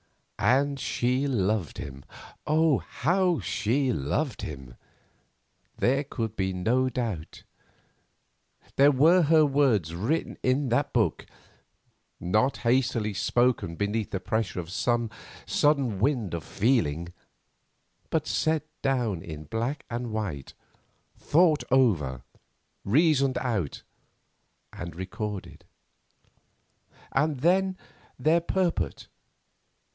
And she loved him. Oh! how she had loved him. There could be no doubt; there were her words written in that book, not hastily spoken beneath the pressure of some sudden wind of feeling, but set down in black and white, thought over, reasoned out, and recorded. And then their purport.